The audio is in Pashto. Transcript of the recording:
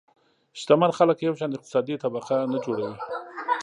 شتمن خلک یو شان اقتصادي طبقه نه جوړوي.